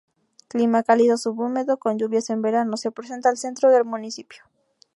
Clima cálido subhúmedo, con lluvias en verano, se presenta al centro del municipio.